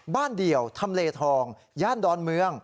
เดี่ยวทำเลทองย่านดอนเมือง